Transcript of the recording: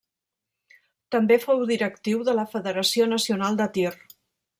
També fou directiu de la Federació Nacional de Tir.